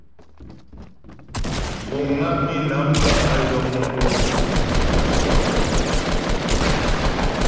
Guŋ á Bǐnam bə́ á yɔm mkúŋ.